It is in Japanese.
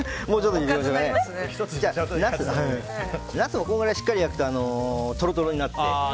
ナスをこのぐらいしっかり焼くとトロトロになって。